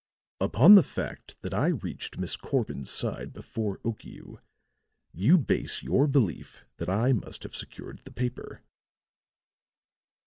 "Upon the fact that I reached Miss Corbin's side before Okiu you base your belief that I must have secured the paper."